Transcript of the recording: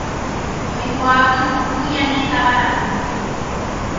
Oikuaa pypuku ñane tavarandu